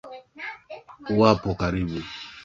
Uwapo karibu